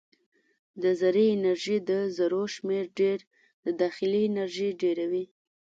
د ذرې انرژي او ذرو شمیر ډېر د داخلي انرژي ډېروي.